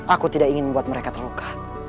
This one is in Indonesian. aku tidak ingin membuat mereka terluka